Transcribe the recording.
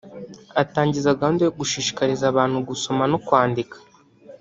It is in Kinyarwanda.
Atangiza gahunda yo gushishikariza abantu gusoma no kwandika